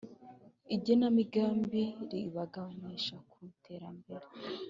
igenamigambi ribaganisha ku iterambere.